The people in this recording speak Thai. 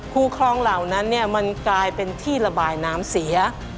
คู่คลองเหล่านั้นมันกลายเป็นที่ระบายน้ำเสีย